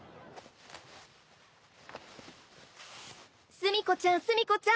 炭子ちゃん炭子ちゃん。